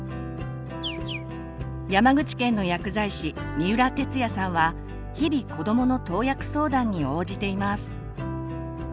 山口県の薬剤師三浦哲也さんは日々子どもの投薬相談に応じています。